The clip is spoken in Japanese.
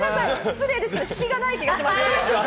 失礼ですけれど、引きがない気がします。